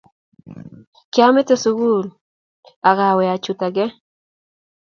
Kiamete sukul ake ak awe achut ake eng